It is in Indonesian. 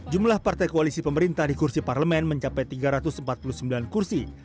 jumlah partai koalisi pemerintah di kursi parlemen mencapai tiga ratus empat puluh sembilan kursi